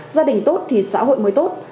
gia đình tốt thì xã hội mới tốt